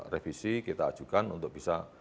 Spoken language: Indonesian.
revisi kita ajukan untuk bisa